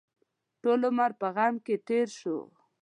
ټول عمر په غم کې تېر شو.